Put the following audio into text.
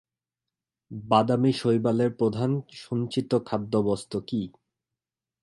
বাদামী শৈবালের প্রধান সঞ্চিত খাদ্যবস্তু কী?